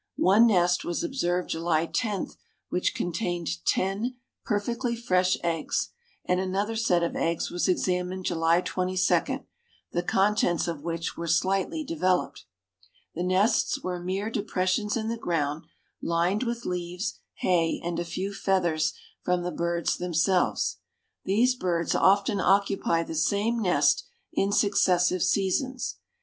One nest was observed July 10 which contained ten perfectly fresh eggs, and another set of eggs was examined July 22, the contents of which were slightly developed. The nests were mere depressions in the ground, lined with leaves, hay, and a few feathers from the birds themselves. These birds often occupy the same nest in successive seasons.